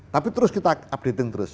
tapi terus kita updating terus